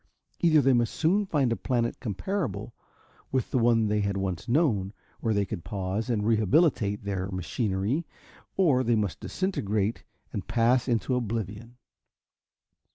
Either they must soon find a planet comparable with the one they had once known, where they could pause and rehabilitate their machinery, or they must disintegrate and pass into oblivion.